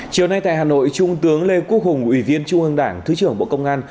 chiều nay tại hà nội trung tướng lê quốc hùng ủy viên trung ương đảng thứ trưởng bộ công an